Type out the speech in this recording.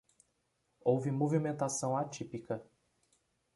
Houve movimentação atípica